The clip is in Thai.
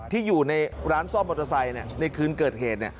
ที่อยู่ในร้านซ่อมมอเตอร์ไซค์ในคืนเกิดเหตุ